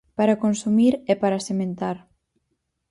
Para consumir e para sementar.